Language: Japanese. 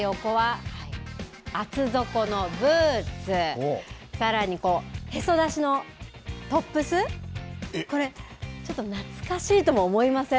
ルーズソックス、そして、横は厚底のブーツ、さらにへそ出しのトップス、これ、ちょっと懐かしいとも思いません？